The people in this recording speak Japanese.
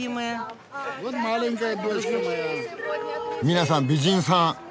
皆さん美人さん！